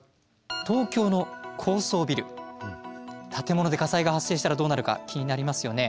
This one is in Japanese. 東京の高層ビル建物で火災が発生したらどうなるか気になりますよね。